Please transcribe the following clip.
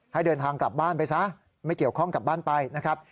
ให้เดินทางกลับบ้านไปซะไม่เกี่ยวข้องกลับบ้านไปนะครับ